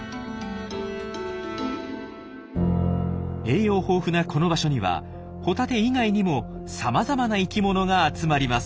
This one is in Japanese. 栄養豊富なこの場所にはホタテ以外にもさまざまな生きものが集まります。